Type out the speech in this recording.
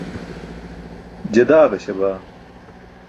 je daaġaśa baa